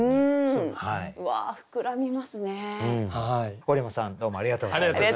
堀本さんどうもありがとうございました。